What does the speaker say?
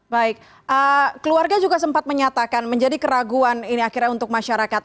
baik keluarga juga sempat menyatakan menjadi keraguan ini akhirnya untuk masyarakat